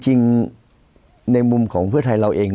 จริงในมุมของเพื่อไทยเราเอง